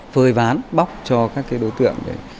phơi ván bóc cho các đối tượng